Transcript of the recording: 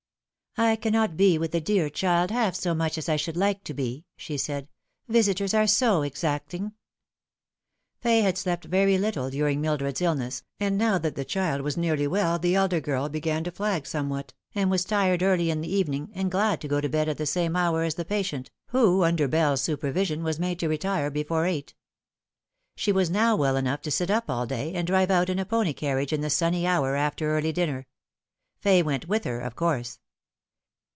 " I cannot be with the dear child half so much as I should like to be," she said ;" visitors are so exacting." Fay had slept very little during Mildred's illness, and now that the child was nearly well the elder girl began to flag some what, and was tired early in the evening, and glad to go to bed at the same hour as the patient, who, under Bell's supervision, A U She could JSemember. 33 was made to retire before eight. She was now well enough to sib up all day, and to drive out in a pony carriage in the sunny hour after early dinner. Fay went with her, of course.